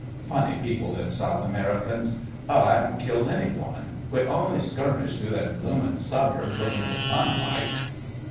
Funny people them South Americans. Oh, 'adn't killed any one. We only skirmished through their bloomin' Suburbs lookin' for fun like.